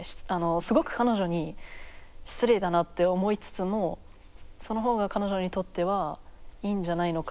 すごく彼女に失礼だなって思いつつもその方が彼女にとってはいいんじゃないのか